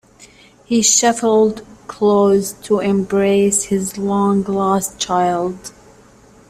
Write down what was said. He shuffled close to embrace his long lost child.